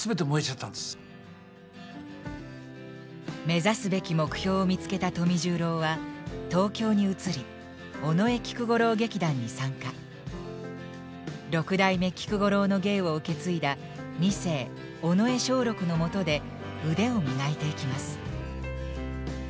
目指すべき目標を見つけた富十郎は六代目菊五郎の芸を受け継いだ二世尾上松緑のもとで腕を磨いていきます。